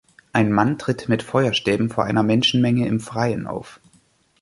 Ein Mann tritt mit Feuerstäben vor einer Menschenmenge im Freien auf.